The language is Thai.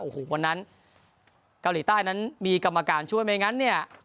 โอ้โหวันนั้นเกาหลีใต้นั้นมีกรรมการช่วยไม่งั้นเนี่ย